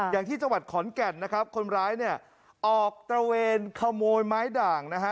อย่างที่จังหวัดขอนแก่นนะครับคนร้ายเนี่ยออกตระเวนขโมยไม้ด่างนะฮะ